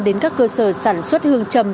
đến các cơ sở sản xuất hương trầm